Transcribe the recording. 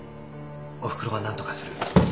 おふくろは何とかする。